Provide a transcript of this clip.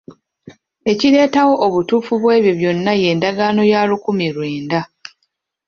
Ekireetawo obutuufu bw'ebyo byonna y'endagaano ya lukumi lwenda.